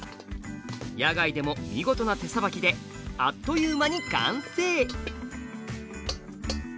野外でも見事な手さばきであっという間に完成！